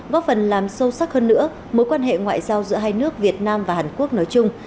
góp phần làm sâu sắc hơn nữa mối quan hệ ngoại giao giữa hai nước việt nam và hàn quốc nói chung